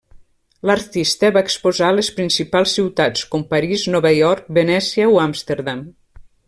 L'artista va exposar a les principals ciutats com París, Nova York, Venècia o Amsterdam.